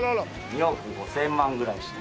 ２億５０００万ぐらいした。